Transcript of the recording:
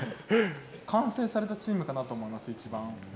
完成されたチームかなと思います、一番。